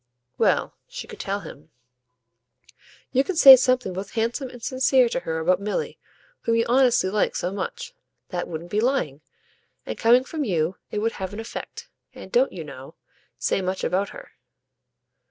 Well, she could tell him. "You can say something both handsome and sincere to her about Milly whom you honestly like so much. That wouldn't be lying; and, coming from you, it would have an effect. You don't, you know, say much about her."